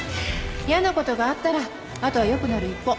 嫌な事があったらあとは良くなる一方。